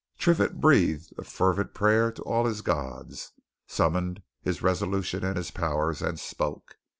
Triffitt breathed a fervent prayer to all his gods, summoned his resolution and his powers, and spoke.